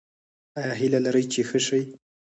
ایا هیله لرئ چې ښه شئ؟